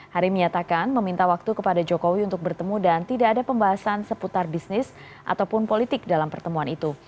hari menyatakan meminta waktu kepada jokowi untuk bertemu dan tidak ada pembahasan seputar bisnis ataupun politik dalam pertemuan itu